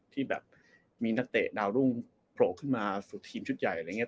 ที่แบบมีนักเตะดาวรุ่งโผล่ขึ้นมาสู่ทีมชุดใหญ่อะไรอย่างนี้